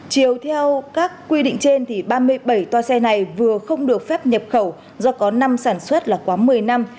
chiều theo các quy định trên thì ba mươi bảy toa xe này vừa không được phép nhập khẩu do có năm sản xuất là quá một mươi năm